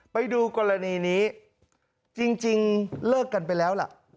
ไปดูกรณีนี้จริงเลิกกันไปแล้วล่ะ